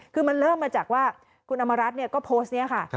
คือมันเริ่มมาจากว่าคุณอำมารัฐก็โพสต์นี้ค่ะ